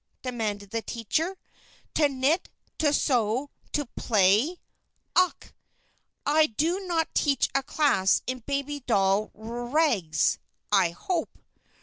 demanded the teacher. "To knit to sew to play? Ach! I do not teach a class in baby doll r r rags, I hope!